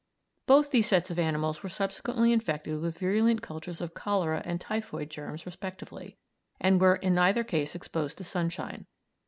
Both these sets of animals were subsequently infected with virulent cultures of cholera and typhoid germs respectively, and were in neither case exposed to sunshine.